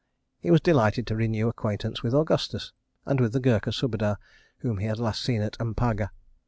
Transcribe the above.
He was delighted to renew acquaintance with Augustus and with the Gurkha Subedar—whom he had last seen at M'paga.